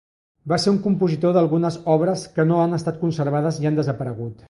Va ser un compositor d'algunes obres que no han estat conservades i han desaparegut.